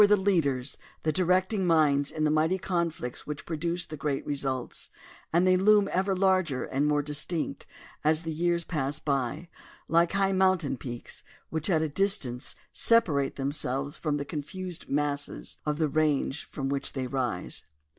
65, 122 THE DEMOCRACY OF ABRAHAM LINCOLN 123 leaders, the directing minds in the mighty conflicts which produced the great resultS; and they loom ever larger and more distinct, as the years pass by, like high momitain peaks, which at a distance separate them selves from the confused masses of the range from which they rise.